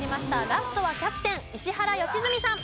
ラストはキャプテン石原良純さん。